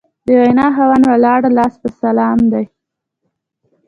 د وینا خاوند ولاړ لاس په سلام دی